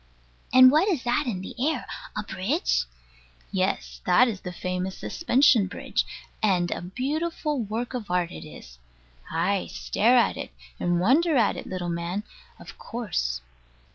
And what is that in the air? A bridge? Yes that is the famous Suspension Bridge and a beautiful work of art it is. Ay, stare at it, and wonder at it, little man, of course.